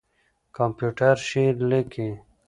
کمپيوټر شعر ليکي.